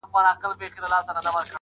ها جلوه دار حُسن په ټوله ښاريه کي نسته~